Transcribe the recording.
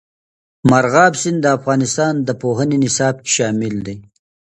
مورغاب سیند د افغانستان د پوهنې نصاب کې شامل دی.